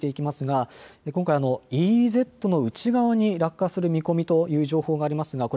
今回、ＥＥＺの内側に落下する見込みとの情報があります。